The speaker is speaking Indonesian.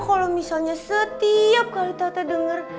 kalau misalnya setiap kali tata denger